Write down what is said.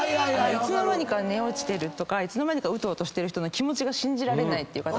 いつの間にか寝落ちてるとかいつの間にかうとうとしてる人の気持ちが信じられない方ですね。